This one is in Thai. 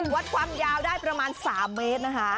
วัดความยาวได้ประมาณ๓เมตรนะคะ